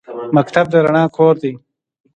مکتب د رڼا کور دی